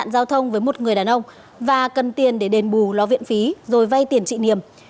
để đủ ló viện phí rồi vay tiền chị niềm